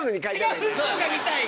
違うのが見たい。